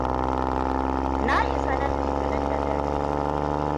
Na isa nan Litinin da dare.